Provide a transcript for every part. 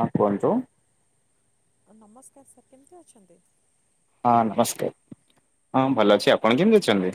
ହଁ କୁହନ୍ତୁ। ନମସ୍କାର ସାର୍, କେମିତି ଅଛନ୍ତି? ହଁ ନମସ୍କାର, ହଁ ଭଲ ଅଛି ଆପଣ କେମିତି ଅଛନ୍ତି?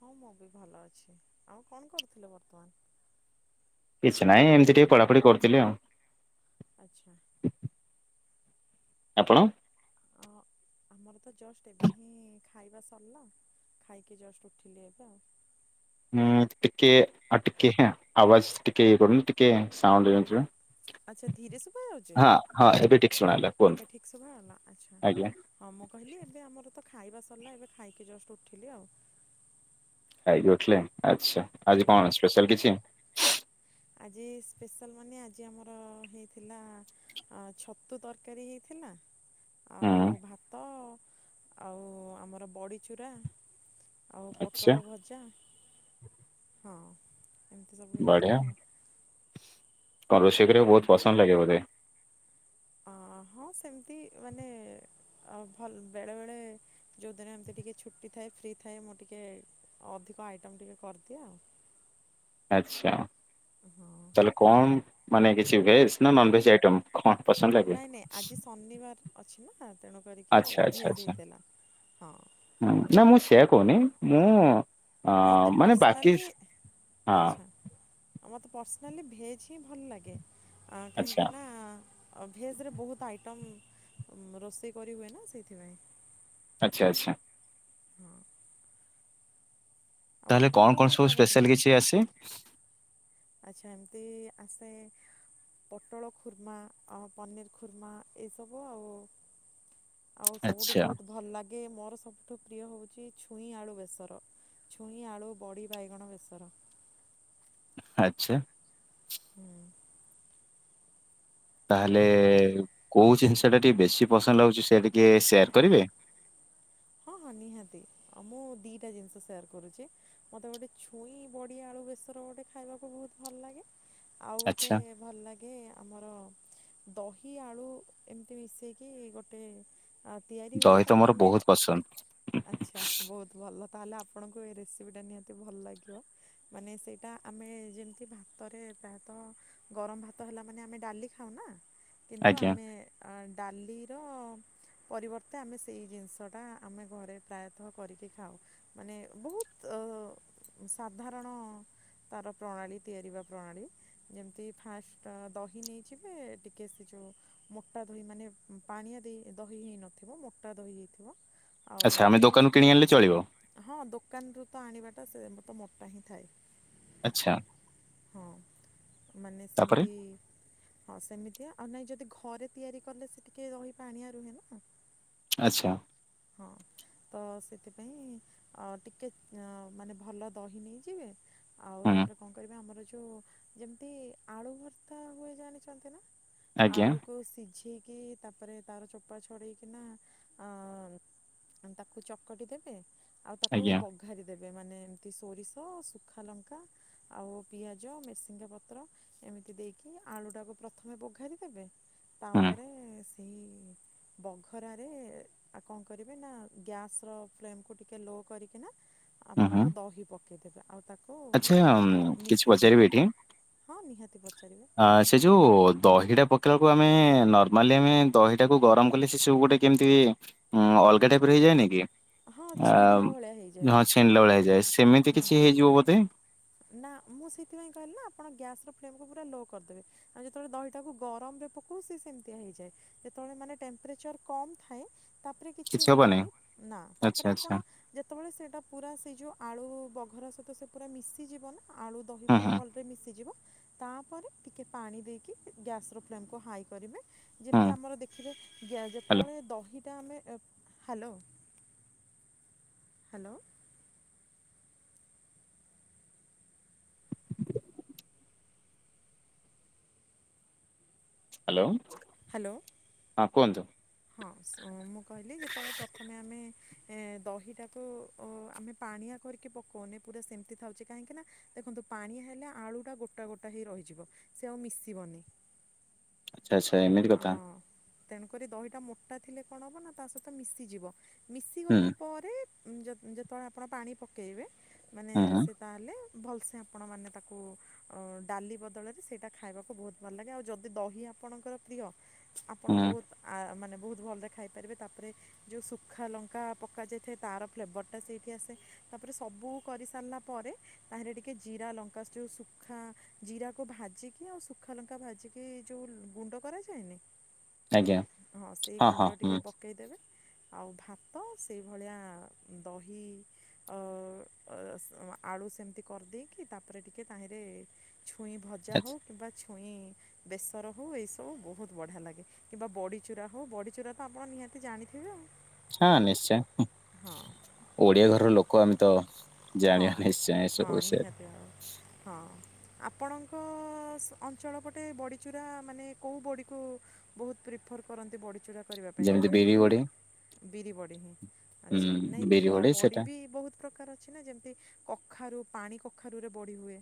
ହଁ ମୁଁ ବି ଭଲ ଅଛି, ଆଉ କଣ କରୁଥିଲେ ବର୍ତ୍ତମାନ? କିଛି ନାହିଁ ଏମିତି ଟିକେ ପଢ଼ାପଢ଼ି କରୁଥିଲି ଆଉ। ଆଚ୍ଛା। ଆପଣ ଆ ଆମର ତ ଜଷ୍ଟ ଏବେ ହିଁ ଖାଇବା ସରିଲା ଖାଇକି ଜଷ୍ଟ ଉଠିଲି ଏବେ ଆଉ। ହଁ ଟିକେ ଆ ଟିକେ ଆବାଜ ଟିକେ କଟୁନି ଟିକେ ସାଉଣ୍ଡ ହେଇନଥିବ। ଆଛା ଧୀରେ ଶୁଭା ଯାଉଛ ହଁ ହଁ ଏବେ ଠିକ ଶୁଣାଗଲା କୁହନ୍ତୁ ଏବେ ଠିକ ଶୁଭା ହେଲା ଆଛା ଆଜ୍ଞା ହଁ ମୁଁ କହିଲି ଏବେ ଆମର ତ ଖାଇବା ସରିଲା ଏବେ ଖାଇକି ଜଷ୍ଟ ଉଠିଲି ଆଉ। ଉଠିଲେ। ଆଚ୍ଛା ଆଜି ହୁଁ କଣ ସ୍ପେଶାଲ କିଛି? ଆଜି ସ୍ପେଶାଲ ମାନେ ଆଜି ଆମର ହେଇଥିଲା ଆଁ ଛତୁ ତରକାରୀ ହେଇଥିଲା ଆଉ ହୁଁ ଭାତ ଆଉ ଆମର ବଡି ଚୁରା। ଆଉ ଆଚ୍ଛା ପୋଟଳ ଭଜା। ହଁ। ଏମିତି ସବୁ ବଢିଆ ହେଇଥିଲା ଆଉ। [unintelligible] ବହୁତ ପସନ୍ଦ ଲାଗେ ବୋଧେ ଅ ହଁ ସେମିତି ମାନେ ଭଲ ବେଳେ ବେଳେ ଯୋଉଦିନ ଏମତି ଟିକେ ଛୁଟି ଥାଏ ଫ୍ରି ଥାଏ ମୁଁ ଟିକେ ଅଧିକ ଆଇଟମ ଟିକେ କରିଦିଏ ଆଉ। ଆଚ୍ଛା ହଁ ତାହାଲେ କମ ମାନେ କିଛି ଭେଜ୍ ନା ନନ ଭେଜ୍ ଆଇଟମ୍ ନାଇଁ ନାଇଁ ଆଜି ଶନିବାର ଅଛି ନା ତେଣୁ କରିକି ଆଚ୍ଛା ଆଚ୍ଛା ଭେଜ୍ ଆଚ୍ଛା ହେଇଥିଲା ହଁ ହ ନା ମୁଁ ସେ କହୁନି ମୁଁ ଅ ମୋତେ ମାନେ ବାକି ପର୍ସନାଲି ହଁ। ମତେ ପର୍ସନାଲି ଭେଜ ହଁ ଭଲ ଲାଗେ। ଆଁ ଆଚ୍ଛା, କାହିଁକି ନା ଭେଜରେ ବହୁତ ଆଇଟମ। ରୋଷେଇ କରି ହୁଏ ନା ସେଇଥିପାଇଁ। ଆଚ୍ଛା। ଆଚ୍ଛା। ହଁ। ଆଉ ତାହେଲେ କଣ ଆପଣଙ୍କୁ କଣ ସବୁ ଖାଇବାକୁ ଭଲ ସ୍ପେଶାଲ କିଛି ଆସିନି? ଆଚ୍ଛା ଏମିତି ଆସେ ପୋଟଳ ଖୁର୍ମା ଆଉ ପନିର ଖୁର୍ମା ଏସବୁ ଆଉ ଆଉ ସବୁଠୁ ଆଚ୍ଛା, ବହୁତ ଭଲ ଲାଗେ ମୋର ସବୁ ଠୁ ପ୍ରିୟ ହେଉଛି ଛୁଇଁ ଆଳୁ ବେସର ଛୁଇଁ ଆଳୁ ବଡ଼ି ବାଇଗଣ ବେସର। ଆଚ୍ଛା। ହଁ ତାହେଲେ କୋଉ ଜିନିଷ ଟା ଟିକେ ବେଶୀ ପସନ୍ଦ ଲାଗୁଛି ସେ ଟିକେ ସେୟାର କରିବେ। ହଁ ହଁ ନିହାତି ଆଉ ମୁଁ ଦିଟା ଜିନିଷ ସେୟାର କରୁଚି ମତେ ଗୋଟେ ଛୁଇଁ ବଡିଆ ଆଳୁ ବେସର ଗୋଟେ ଖାଇବାକୁ ବହୁତ ଭଲ ଲାଗେ ଆଉ ଗୋଟେ ଆଚ୍ଛା, ଭଲ ଲାଗେ ଆମର ଦହି ଆଳୁ ଏମିତି ମିଶେଇକି ଗୋଟେ ତିଆରି ହୁଏ ଦହି ତ ତାକୁ ମୋର ଆମେ ବହୁତ ପସନ୍ଦ। ଆଛା ବହୁତ ଭଲ ତାହେଲେ ଆପଣଙ୍କୁ ଏ ରେସିପିଟା ନିହାତି ଭଲ ଲାଗିବ ମାନେ ସେଇଟା ଆମେ ଯେମିତି ଭାତରେ ପ୍ରାୟତଃ ଗରମ ଭାତ ହେଲା ମାନେ ଆମେ ଡାଲି ଖାଉ ନା କିନ୍ତୁ ଆଜ୍ଞା, ଆମେ ଆ ଡାଲିର ପରିବର୍ତ୍ତେ ଆମେ ସେଇ ଜିନିଷଟା ଆମେ ଘରେ ପ୍ରାୟତଃ କରିକି ଖାଉ ମାନେ ବହୁତ ସାଧାରଣ ତାର ପ୍ରଣାଳୀ ତିଆରିିବା ପ୍ରଣାଳୀ ଯେମିତି ଫାଷ୍ଟ ଦହି ନେଇଯିବେ ଟିକେ ସେ ଯେଉ ମୋଟା ଦହି ମାନେ ପାଣିଆ ଦେଇ ଦହି ହେଇନଥିବ ମୋଟା ଦହି ହେଇଥିବ। ଆଉ ଆଚ୍ଛା ଆମେ ଦୋକାନରୁ କିଣି ଆଣିଲେ ଚଳିବ? ହଁ ଦୋକାନରୁୁ ତ ଆଣିବା ତ ମୋଟା ହିଁଥାଏ। ଆଚ୍ଛା, ହଁ ମାନେ ତାପରେ? ସେମିତି ହଁ ସେମିତିଆ ଆଉ ନାଇଁ ଯଦି ଘରେ ତିଆରି କଲେ ସେ ଟିକେ ରହି ପାଣିଆ ରୁହେ ନା ଆଚ୍ଛା। ହଁ ତ ସେଥିପାଇଁ ଟିକେ ମାନେ ଭଲ ଦହି ନେଇଯିବେ ଆଉ ହୁଁ, ତାପରେ କଣ କରିବା ଆମର ଯୋଉ ଯେମିତି ଆଳୁ ଭର୍ତ୍ତା ହୁଏ ଜାଣିଛନ୍ତି ନା ଆଜ୍ଞା, ଆଳୁକୁ ସିଝେଇକି ତାପରେ ତାର ଚୋପା ଛଡେଇକିନା ଅ ଆ ତାକୁ ଚକଟି ଦେବେ ଆଉ ତାକୁ ଆଜ୍ଞା, ବଘାରି ଦେବେ ମାନେ ଏମିତି ସୋରିଷ ଶୁଖା ଲଙ୍କା ଆଉ ପିଆଜ ମେସିଙ୍ଗା ପତ୍ର ଏମିତି ଦେଇକି ଆଳୁଟାକୁ ପ୍ରଥମେ ବଘାରି ଦେବେ ହୁଁ, ତାପରେ ସେଇ ବଘରାରେ କଣ କରିବେ ନା ଗ୍ୟାସ ର ଫ୍ଲେମକୁୁ ଟିକେ ଲୋ କରିକି ନା ହୁଁ, ହୁଁ। ଆପଣଙ୍କ ଦହି ପକେଇଦେବା। ଆଚ୍ଛା କିଛି ପଚାରିବି ଏଇଠି ହଁ ନିହାତି ପଚାରିବେ ଅ ସେ ଯୋଉ ଦହିଟା ପକେଇବାକୁ ଆ ଆମେ ନର୍ମାଲି ଆମେ ଦହିଟାକୁ ଗରମ କଲେ ସେ ସବୁ ଗୋଟେ କେମିତି ଅଲଗା ଟାଇପ ର ହେଇଯାଏନି କି ହଁ ଆ ଛିଣ୍ଡିଲା ଭଳିଆ ହେଇଯାଏ ହଁ ଛିନା ଭଳିଆ ହେଇଯାଏ। ସେମିତି ହଁ କିଛି ହେଇଯିବ ନା ମୁଁ ସେଥିପାଇଁ କହିଲା ଆପଣ ଗ୍ୟାସ ର ଫକୁ ପୁର ଲୋ କରିଦେବେ ଆ ଯେତେବେଳେ ଦହିଟାକୁ ଗରମରେ ପଉ ସେ ସେମିତି ହେଇଯାଏ ଯେତଳେ ମାନେମ୍ଚର କମ ଥାଏ। ତାପରେ କିଛି ହବନି ନା ଆଚ୍ଛା ତାପରେ ଆଚ୍ଛା ଆପଣ ଯେତେବେଳେ ସେଇଟା ପୁରା ସେ ଯୋଉ ଆଳୁ ଗଘର ସହିତ ସେ ପୁରା ମିଶ ଜୀବନା ଆଳୁ ଦହି ହୁଁ ପୁରା ହୁଁ ଭଲରେ ମିଶିଯିବ। ତାପରେ ଟିକେ ପାଣି ଦେଇକି ଗ୍ୟାସ ର ଫ୍ଲେମକୁୁ ହାଇ କରିବେ। ହୁଁ ଯେମିତି ଆମର ଦେଖିବେ ହ୍ୟାଲୋ ଯେତେବେଳେ ଦହି ଆମେ ହ୍ୟାଲୋ ହ୍ୟାଲୋ। ହ୍ୟାଲୋ। ହ୍ୟାଲୋ। ହଁ କୁହନ୍ତୁ। ହଁ ମୁଁ କହିଲି ଯେତେବେଳେ ପ୍ରଥମେ ଆମେ ଏ ଦହିଟାକୁ ଆମେ ପାଣିଆ କରିକି ପକଉନି ପୁରା ସେମିତି ଥାଉଛି କାହିଁକିନା ଦେଖନ୍ତୁ ପାଣିଆ ହେଲେ ଆଳୁଟା ଗୋଟା ଗୋଟା ହେଇ ରହିଯିବ ସେ ଆଉ ମିଶିବନି। ଆଛା ଆଚ୍ଛା ଏମିତି କଥା। ହଁ ତେଣୁକରି ଦହିଟା ମୋଟା ଥିଲେ କଣ ହବ ନା ତା ସହିତ ମିଶିଯିବ। ମିଶି ହୁଁ ଗଲା ପରେ ଯେତ ଯେତେବେଳେ ଆପଣ ପାଣି ପକେଇବେ ମାନେ ହୁଁ ହୁଁ ସେ ତାହେଲେ ଭଲସେ ଆପଣମାନେ ତାକୁ ଉଁ ଡାଲି ବଦଳରେ ସେଇଟା ଖାଇବାକୁ ବହୁତ ଭଲ ଲାଗେ ଆଉ ଯଦି ଦହି ଆପଣଙ୍କର ପ୍ରିୟ ଆପଣ ହୁଁ ବହୁତ ଆ ମାନେ ବହୁତ ଭଲରେ ଖାଇପାରିବେ ତାପରେ ଯୋଉ ଶୁଖା ଲଙ୍କା ପକ ଯାଇଥାଏ ତାର ଫ୍ଲେଭରଟା ସେଇଠି ଆସେ ତାପରେ ସବୁ କରିସାରିଲା ପରେ ତାହେରେ ଟିକେ ଜିରା ଲଙ୍କା ଯୋଉ ଶୁଖା ଜିରାକୁ ଭାଜିକି ଆଉ ଶୁଖା ଲଙ୍କା ଭାଜିକି ଯୋଉ ଗୁଣ୍ଡ କରାଯାଏ ନି? ଆଜ୍ଞା ହଁ ସେଇ ହଁ ଗୁଣ୍ଡ ଟିକେ ହୁଁ ପକେଇଦେବେ ଆଉ ଭା ତ ସେଇଭଳିଆ ଦହି ଅ ଅ ସେ ଆଳୁ ସେମିତି କରିଦେଇକି ତାପରେ ଟିକେ ତାହିଁରେ ଛୁଇଁ ଭଜା ହଉ ଆଚ୍ଛା କିମ୍ବା ଛୁ ଛୁଇଁ ବେସର ହଉ ଏଇ ସ ବୁ ବହୁତ ବଢ଼ିଆ ଲାଗେ କିମ୍ବା ବଡ଼ିଚୁରା ହଉ ବଡ଼ିଚୁରା ତ ଆପଣ ନିହାତି ଜାଣିଥିବେ ଆଉ। ହଁ ନିଶ୍ଚୟ ହଁ ଓଡିଆ ଘରର ଲୋକ ଆମେ ତ ହଁ ଜାଣିବା ନିଶ୍ଚୟ ଏ ହଁ ସବୁ ବିଷୟରେ। ନିହାତି ଆଉ ହଁ ଆପଣଙ୍କ ଶ୍ ଅଞ୍ଚଳପଟେ ବଡ଼ିଚୁରା ମାନେ କୋଉ ବଡ଼ିକୁ ବହୁତ ପ୍ରିଫର୍ କରନ୍ତି ବଡ଼ିଚୁରା କରିବା ପାଇଁ ଯେମିତି ମାନେ ବିରି ଏମତି ବଡି ବିରି ବଡି ହିଁ ହୁଁ ଆଛା ନାଇଁ ବିରି କ ବଡି ସେଟା ବି ବହୁତ ପ୍ରକାର ଅଛି ନା ଯେମ କଖାରୁ ପାଣି କଖାରୁ ରେ ବଡି ହୁଏ।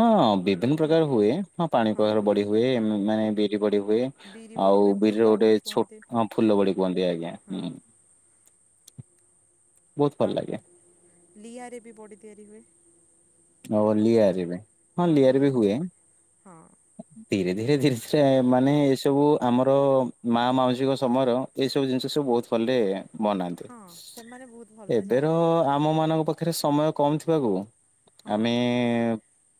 ହଁ ବିଭିନ୍ନ ପ୍ରକାର ହୁଏ ହଁ ପାଣି ପକାର ବଡି ହୁଏ ମାନେ ବିରି ବଡି ହୁଏ ବିରି ବଡ଼ି ଆଉ ହୁଏ ବିରିରେ ଫୁଲ ଗୋଟେ ବଡ଼ି ଛୋଟ କୁହନ୍ତି ହ ଫୁଲ ବଡି କୁହନ୍ତି ଆଜ୍ଞା। ହଁ ବହୁତ ଭଲ ଆଉ ଲାଗେ ଲିଆରେ ବି ବଡ଼ି ତିଆରି ହୁଏ। ଆଉ ଲିଆ ରେ ବି। ହଁ ଲିୟରେ ବି ହୁଏ ହଁ ଧୀରେ ଧୀରେ ଧୀରେ ଧୀରେ ମାନେ ସବୁ ଆମର ମା ମାଉସୀଙ୍କ ସମୟର ଏଇ ସବୁ ଜିନିଷ ସବୁ ବହୁତ ଭଲରେ ବନାନ୍ତି ହଁ ସେମାନେ ବହୁତ ଭଲରେ ଏବେର ଜାଣନ୍ତି ଆମ ମାନଙ୍କ ପାଖ ଖରେ ସମୟ କମ୍ ଥିବାକୁ ହଁ ଆମେ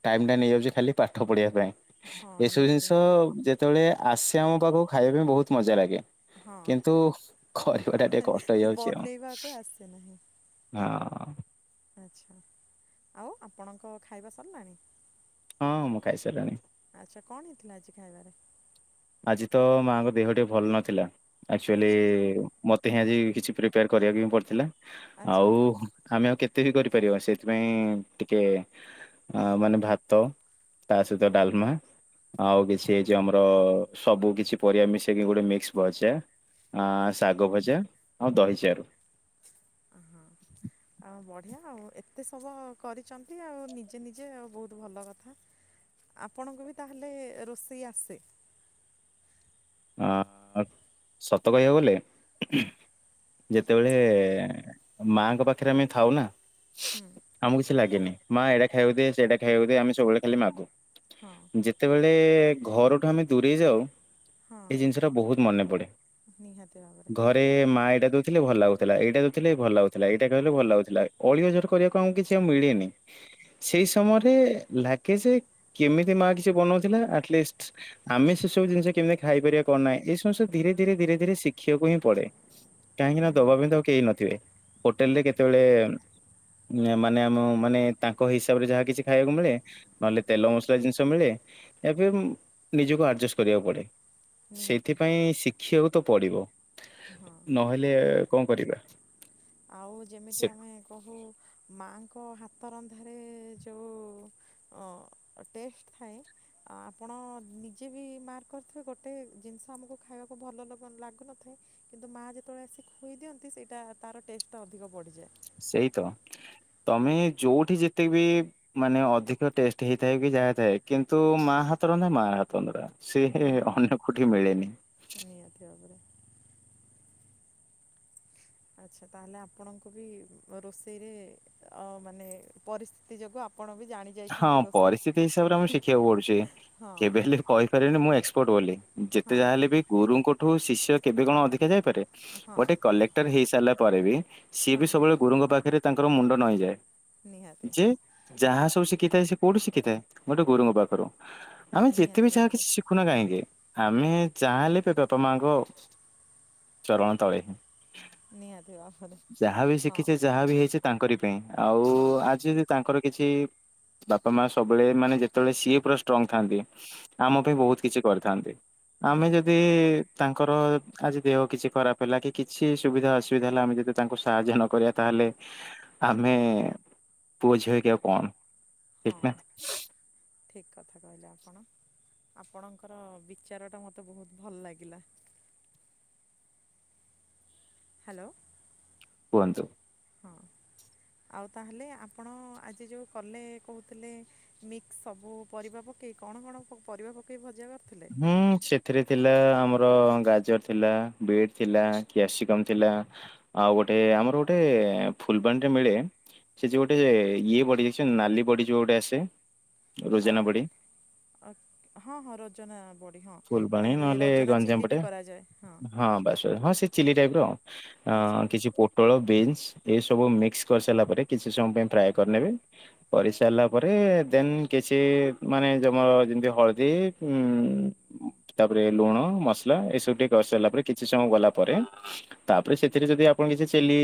ଟାଇମ ଟା ନେଇଯାଉଛି ଖାଲି ପାଠ ପଢ଼ିବା ପାଇଁ। ହଁ ଏସବୁ ନିହାତି ଜିନିଷ ଯେ ସେତେବେଳେ ଆସେ ଆମ ପାଖକୁ ଖାଇବା ପାଇଁ ବହୁତ ମଜା ଲାଗେ। ହଁ କିନ୍ତୁ କରିବା ଟା ଟିକେ କଷ୍ଟ ହେଇଯାଉଛି ଆଉ। ବନେଇବାକୁ ଆସେ ନାହିଁ ହଁ। ଆଚ୍ଛା ଆଉ ଆପଣଙ୍କ ଖାଇବା ସରିଲାଣି? ହଁ ମୁଁ ଖାଇସାରିଲିଣି। ଆଚ୍ଛା କଣ ହେଇଥିଲା ଆଜି ଖାଇବାରେ? ଆଜି ତ ମାଆଙ୍କ ଦେହ ଟିକେ ଭଲ ନଥିଲା। ଏକ୍ଟୁଆଲି ଆଚ୍ଛା ମ ତେ ଆଜି କିଛି ପ୍ରିପେୟାର କରିବାକୁ ହିଁ ପଡ଼ିଥିଲା। ଆଚ୍ଛା ଆଉ ଆମେ ଆଉ କେତେ? ତେ ବି କରିପାରିବା ସେଥିପାଇଁ ଟିକେ ଅ ମାନେ ଭାତ ତା ସହିତ ଡାଲମା ଆଉ କିଛି ଏ ଯଉ ଆମର ସବୁ କିଛି ପରିବା ମିଶେଇକି ଗୋଟେ ମିକ୍ସ ଭଜା। ହଁ ଆଚ୍ଛା ଶାଗ ଭଜା। ହଁ ଦହିଚାରୁ। ହଁ ଆଉ ବଢିଆ ଆଉ ଏତେ ସବୁ କରିଛନ୍ତି ଆଉ ନିଜେ ନିଜେ ଆଉ ବହୁତ ଭଲ କଥା। ଆପଣଙ୍କୁ ବି ତାହେଲେ ରୋଷେଇ ଆସେ। ଆଁ ସତ କହିବାକୁ ଗଲେ ଯେତେବେଳେ ମାଙ୍କ ପାଖରେ ଆମେ ଥାଉ ନା ହୁଁ। ଆମକୁ କିଛି ଲାଗେନି। ମା ଏଇଟା ଖାଇାବକୁ ଦେ ସେଇଟା ଖାଇାଉକୁ ଦେ ଆମେ ସବୁବେଳେ ଖାଲି ମାଗୁ। ହଁ ଯେତେବେଳେ ଘରଠୁ ଆମେ ଦୂରେଇ ଯାଉ ହଁ ଏ ଜିନିଷଟା ବହୁତ ମନେ ପଡେ। ନିହାତି ଭାବରେ ଘରେ ମା ଏଇଟା ଦଉଥିଲେ ଭଲ ଲାଗୁ ଗୁଥିଲା। ଏଇଟା ଦଉଥିଲେ ଭଲ ଲାଗୁଥିଲା। ଏଇଟା ଖାଇଲେ ଭଲ ଲାଗୁଥିଲା। ଅଳିଅଝଟ କରିବାକୁ ଆମକୁ କିଛି ଆଉ ମିଳେନି ସେଇ ସମୟରେ ଲାଗେ ଯେ କେମିତି ମା କିଛି ବନଉଥିଲା ଆଟଲିଷ୍ଟ ଆମେ ସେସବୁ ଜିନିଷ କେମି ଖାଇପାରିବା କଣ ନାହିଁ। ଏ ସମସ୍ତୁ ଧୀରେ ଧୀରେ ଧୀରେ ଧୀରେ ଶିଖିବାକୁ ହିଁ ପଡେ। କାହିଁକି ନା ହୁଁ ଦବା ପାଇଁ ତ କେହି ନଥିବେ। ହୋଟେଲ ରେ କେତେବେଳେ ମାନେ ଆମ ମାନେ ତାଙ୍କ ହିସାବରେ ଯାହା କିଛି ଖାଇବାକୁ ମିଳେ। ନହେଲେ ତେଲ ମସଲା ଜିନିଷ ମିଳେ। ଏବେ ନିଜକୁ ଆଡଜଷ୍ଟ କରିବାକୁ ପଡେ। ନିହାତି ସେଇଥିପାଇଁ ଶିଖିବାକୁ ତ ପଡ଼ିବ। ହଁ। ନହେଲେ କଣ କରିବା? [inaudible] ଆଉ ଯେମିତି ସେ ଆମେ କହୁ ମାଙ୍କ ହାତ ତ ରନ୍ଧାରେ ଯଉଁ ଅ ଟେଷ୍ଟ ଥାଏ, ଆପଣ ନିଜେ ବି ମାର୍କ କରିଥିବେ ଗୋଟେ ଜିନିଷ ଆମକୁ ଖାଇବାକୁ ଭଲ ଲଗ ଲାଗୁନଥାଏ କିନ୍ତୁ ମା ଯେତେବେଳେ ଆସି ଖୁଏଇ ଦିଅନ୍ତି ସେଇଟା ତାର ଟେଷ୍ଟଟା ଅଧିକ ବଢିଯାଏ। ସେଇ ତ। ତମେ ଯଉଠି ଯେତେବି ମାନେ ଅଧିକ ଟେଷ୍ଟ ହେଇଥାଏ ବି ଯାହାଥାଏ କିନ୍ତୁ ମା ହାତ ରନ୍ଧା ମା ହାତ ରନ୍ଧା। ସେ ନିହାତି ଅନ୍ୟ କୋଉଠି ମିଳେନି। ନିହାତି ଭାବରେ। ଆଛା। ତାହେଲେ ଆପଣଙ୍କୁ ବି ରୋଷେଇରେ ଅ ମାନେ ପରିସ୍ଥିତି ଯୋଗୁ ଆ ହଁ ପରିସ୍ଥିତି ହିସାବରେ ଆମକୁ ଶିଖିବାକୁ ପଡୁଛି। ହଁ କେବେ ହେଲେ କହିପାରିବନି ମୁଁ ଏକ୍ସ୍ ପଟ୍ ବୋଲି। ଯେତେ ହଁ ଯାହା ହେଲେ ବି ଗୁରୁଙ୍କ ଠୁ ଶିଷ୍ୟ କେବେ କଣ ଅଧିକ ହେଇଯାଇ ପାରେ? ହଁ ଗୋଟେ କଲେକ୍ଟର ହେଇସାରିଲା ପରେ ବି ସିଏ ହଁ ବି ସବୁବେଳେ ଗୁରୁଙ୍କ ପାଖରେ ତାଙ୍କର ମୁଣ୍ଡ ନଇଁଯାଏ। ନିହାତି। ଯେ ଯାହା ସବୁ ଶି ଖିଥାଏ ସେ କୋଉଠୁ ଶିଖିଥାଏ ଗୋଟେ ଗରୁଙ୍କ ପାଖରୁ। ଆମେ ଯେତେ ନିହାତି ବିି ଯାହା ଭାବରେ କିଛି ଶିଖୁନା କାହିଁକି ଆମେ ଚାଁଲେ ବାପା ମାଙ୍କ ଚରଣ ତଳେ। ନିହାତି ଭାବରେ ଯାହାବି ହଁ ଶିଖିଛେ ଯାହା ବି ହେଇଛେ ତାଙ୍କରି- ପାଇଁ ଆଉ ହଁ ଯଦି ତାଙ୍କରି- କିଛି- ବାପା ମା ସବୁବେଳେ ମାନେ ଯେତେବେଳେ ସିଏ ପୁରା ଷ୍ଟ୍ରଙ୍ଗ ଥାନ୍ତି ଆମ ପାଇଁ ବହୁତ କିଛି କରିଥାନ୍ତି। ଆମେ ନିହାତି ଯଦି ତାଙ୍କ- ଙ୍କର ଆଜି ଦେହ କିଛି ଖରାପ ହେଲା କି କିଛି ସୁବିଧା ଅସୁବିଧା ହେଲା ଆମେ ଯଦି ତାଙ୍କୁ ସାହାଯ୍ୟ ନ କରିବା ତାହେଲେ ଆମେ ପୁଅ ଝିଅ ହେଇକି ଆଉ କଣ- ହଁ ଠିକ ନା- ଠିକ୍ କଥା କହିଲେ ଆପଣ ଆପଣଙ୍କର ବିଚାରଟା ମୋତେ ବହୁତ ଭଲ ଲାଗିଲା- ହ୍ୟାଲୋ- କୁହନ୍ତୁ। ହଁ ଆଉ ତାହେଲେ ଆପଣ ଆଜି ଯୋଉ କଲେ କହୁଥିଲେ ମିକ୍ସ ସବୁ ପରିବା ପକେଇ କଣ କଣ ପରିବା ପକେଇ ଭଜା କ- ହୁଁ ସେଥିରେ ଥିଲା ଆମ ର ଗାଜର ଥିଲା ବିଟ୍ ଥିଲା କ୍ୟାପସିକମ୍ ଥିଲା ଆଉ ଗୋଟେ ଆମର ଗୋଟେ ଫୁଲବାଣୀରେ ମିଳେ ସେ ଯୋଉ ଗୋଟେ ଇଏ ବଡ଼ି ଦେଖିଛନ୍ତି ନାଲି ବଡ଼ି ଯୋଉ ଗୋଟେ ଆସେ ଆ ରୋଜାନା ବଡି। ଅ ହଁ ହଁ ରୋଜାନା ଫୁଲବାଣି ନହେଲେ ଗଞ୍ଜାମ ପଟେ ହଁ ବାସ ବାସ୍ ହଁ ସେ ଚିଲ୍ଲି ଟାଇପ୍ ର ଅ ଆଚ୍ଛା କିଛି ପୋଟଳ ବିନ୍ ଏଇସବୁ ମିକ୍ସ କରିସାରିଲା ପରେ କିଛି ସମୟ ପାଇଁ ଫ୍ରାଏ କରିନେବେ କରିସାରିଲା ପରେ ଦେନ୍ କିଛି ମାନେ ତମର ଯେମିତି ହଳଦୀ ଉଁ ତାପରେ ଲୁଣ ମସଲା ଏସବୁ ଟିକେ କଷ୍ ସାରିଲା ପରେ କିଛି ସମୟ ଗଲା ପରେ ତାପରେ ସେଥିରେ ଯଦି ଆପଣ କିଛି ଚିଲ୍ଲି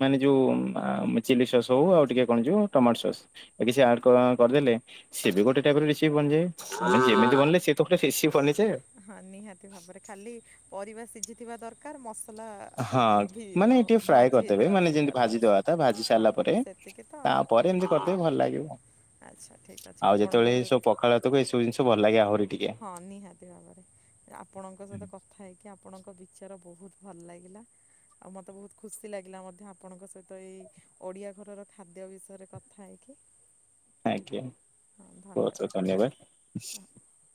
ମାନେ ଯୋଉ ଆ ଚିଲ୍ଲୀ ସସ୍ ହଉ ଆଉ ଟିକେ କଣ ଯିବ ଟମାଟୋ ସସ୍ କିଛି ଆଡ୍ କ କରିଦେଲେ ସେ ବି ଗୋଟେ ଟାଇପ୍ ର ରେସିପି ବନିଯାଏ ଆପଣ ଯେମିତି ବନିଲଲେ ସିଏ ତ ଗୋଟେ ରେସିପ ବନି ଯାଏ ଆଉ। ହଁ ନିହାତି ଭାବରେ ଖାଲି ପରିବା ସିଝିଥିବା ଦରକାର ମ- ହଁ ମାନେ ଟିକେ ଫ୍ରାଏ କରିଦେବେ ହେଇଥିବା ମାନେ ଯେମତି ଦରକାର ବାସ୍ ଭାଜିଦବା କଥା ଭାଜି ହଁ ସାରିଲା ପରେ ସେତିକି ତ ତାପରେ ଏମିତି କରିଦେବେ ଭଲ ଲାଗିବ। ଆଚ୍ଛା ଠିକ୍ ଅଛି ଆଉ ଆପଣଙ୍କ ଯେତେବେଳେ ଏଇ ସହିତ ସବୁ ପଖାଳ ଭାତକୁ ଏଇ ସବୁ ଜିନିଷ ଭଲ ଲାଗେ ଆହୁରି ଟିକେ। ହଁ ନିହାତି ଭାବରେ ଆପଣଙ୍କ ସହିତ କଥା ହେଇକି ଆପଣଙ୍କ ବିଚାର ବହୁତ ବହୁତ ଭଲ ଲାଗିଲା ଆଉ ମତେ ବହୁତ ଖୁସି ଲାଗିଲା ମଧ୍ୟ ଆପଣଙ୍କ ସହିତ ଏଇ ଓଡ଼ିଆ ଘରର ଖାଦ୍ୟ ବିଷୟରେ କଥା ହେଇକି ଆଜ୍ଞା। ବହୁତ୍ ବହୁତ୍ ଧନ୍ୟବାଦ।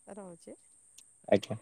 ହଁ ରହୁଛି। ଆଜ୍ଞା।